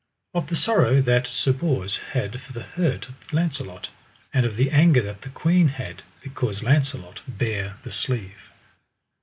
Of the sorrow that Sir Bors had for the hurt of Launcelot; and of the anger that the queen had because Launcelot bare the sleeve.